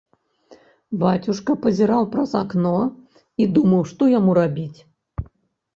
Бацюшка пазіраў праз акно і думаў, што яму рабіць.